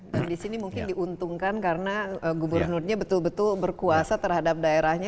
dan di sini mungkin diuntungkan karena gubernurnya betul betul berkuasa terhadap daerahnya